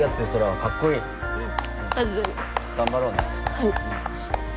はい。